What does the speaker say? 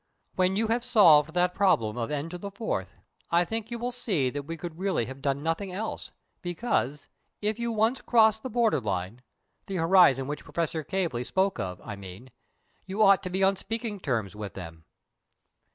When you have solved that problem of N to the fourth, I think you will see that we could really have done nothing else, because, if you once crossed the border line the horizon which Professor Cayley spoke of, I mean you ought to be on speaking terms with them."